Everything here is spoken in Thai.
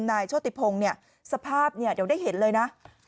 โชติพงศ์เนี่ยสภาพเดี๋ยวได้เห็นเลยนะ